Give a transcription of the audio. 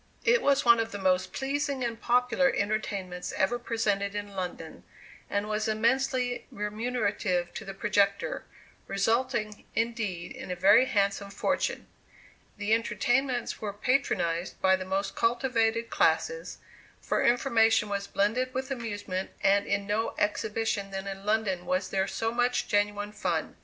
It was one of the most pleasing and popular entertainments ever presented in London, and was immensely remunerative to the projector, resulting, indeed, in a very handsome fortune. The entertainments were patronized by the most cultivated classes, for information was blended with amusement, and in no exhibition then in London was there so much genuine fun.